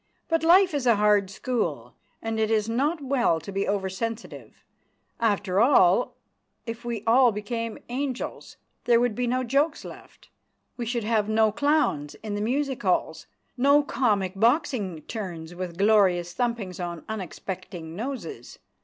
But life is a hard school, and it is not well to be over sensitive. After all, if we all became angels, there would be no jokes left. We should have no clowns in the music halls no comic boxing turns with glorious thumpings on unexpecting noses.